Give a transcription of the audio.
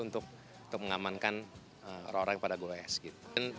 untuk mengamankan orang orang pada goes gitu